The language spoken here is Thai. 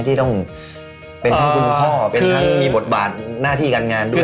ที่ต้องเป็นทั้งคุณพ่อเป็นทั้งมีบทบาทหน้าที่การงานด้วย